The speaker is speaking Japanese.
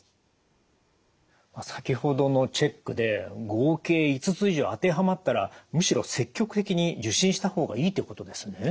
先ほどのチェックで合計５つ以上当てはまったらむしろ積極的に受診した方がいいってことですね？